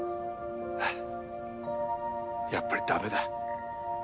やっぱり駄目だ。